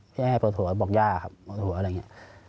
แค่ให้ปวดหัวบอกย่าครับปวดหัวอะไรอย่างนี้